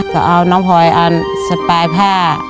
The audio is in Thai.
ก็เอาน้ำหอยอันเสร็จไปแพร่